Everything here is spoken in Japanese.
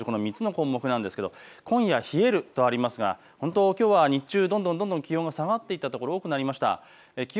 ３つの項目なんですが今夜冷えるとありますがきょう日中、どんどん気温が下がってきたところが多くなりました。